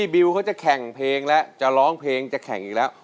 บิวเขาจะแข่งเพลงแล้วจะร้องเพลงจะแข่งอีกแล้ว